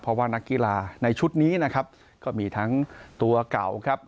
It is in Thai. เพราะว่านักกีฬาในชุดนี้นะครับก็มีทั้งตัวเก่าครับ